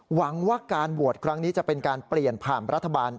หวังว่าการโหวตครั้งนี้จะเป็นการเปลี่ยนผ่านรัฐบาล